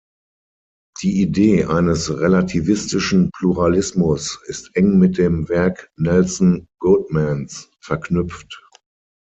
Die Idee eines relativistischen Pluralismus ist eng mit dem Werk Nelson Goodmans verknüpft.